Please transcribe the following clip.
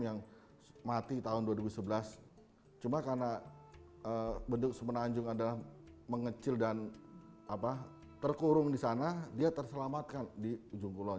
hanya karena bentuk semenanjung mengecil dan terkurung di sana dia terselamatkan di ujung kulon